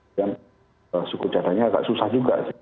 dan suku cadanya agak susah juga sih